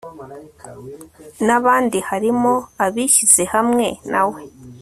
n abandi harimo abishyize hamwe na we